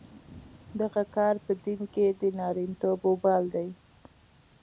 دغه کار په دین کې د نارینتوب وبال دی.